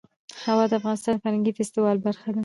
هوا د افغانستان د فرهنګي فستیوالونو برخه ده.